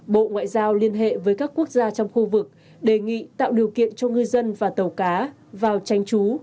bộ ngoại giao liên hệ với các quốc gia trong khu vực đề nghị tạo điều kiện cho ngư dân và tàu cá vào tranh trú